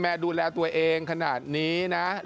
แม่ดูแลตัวเองขนาดนี้